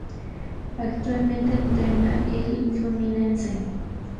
Actualmente, entrena el Fluminense.